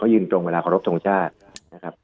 ยืนตรงเวลาขอรบทรงชาตินะครับ